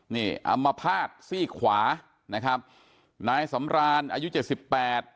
นี่อัมพาตซี่ขวานะครับนายสำรานอายุเจ็ดสิบแปด